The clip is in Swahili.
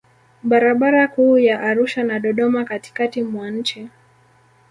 Barabara kuu ya Arusha na Dodoma katikatikati mwa nchi